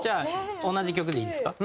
同じ曲でいいですか？